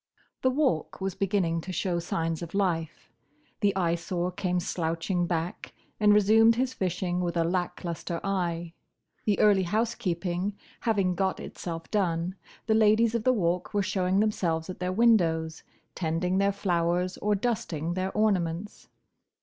The Walk was beginning to show signs of life. The Eyesore came slouching back, and resumed his fishing with a lack lustre eye. The early housekeeping having got itself done, the ladies of the Walk were showing themselves at their windows, tending their flowers or dusting their ornaments.